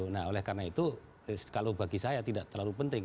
nah oleh karena itu kalau bagi saya tidak terlalu penting